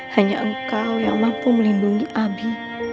hanya engkau yang mampu melindungi abi